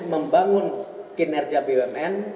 membangun kinerja bumn